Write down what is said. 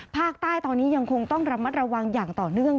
ภาคใต้ตอนนี้ยังคงต้องระมัดระวังอย่างต่อเนื่อง